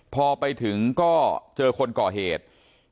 พอไปถึงก็เจอคนก่อเหตุ